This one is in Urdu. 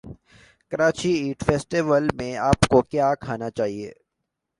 کراچی ایٹ فیسٹیول میں اپ کو کیا کھانا چاہیے